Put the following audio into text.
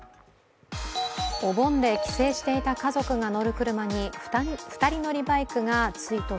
お盆で帰省していた家族が乗る車に２人乗りバイクが追突。